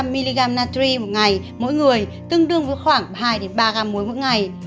mỗi người tương đương với khoảng hai ba g muối mỗi ngày